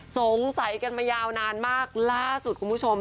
สงสัยกันมายาวนานมากล่าสุดคุณผู้ชม